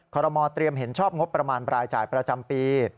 รมอเตรียมเห็นชอบงบประมาณรายจ่ายประจำปี